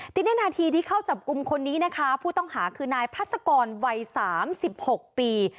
ทีนี้นาทีที่เข้าจับกลุ่มคนนี้นะคะผู้ต้องหาคือนายพัศกรวัย๓๖ปี